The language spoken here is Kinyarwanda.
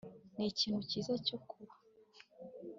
ni ikintu cyiza cyo kuba